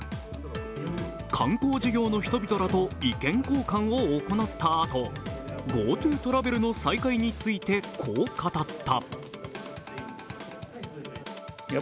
観光事業の人々らと意見交換を行ったあとＧｏＴｏトラベルの再開について、こう語った。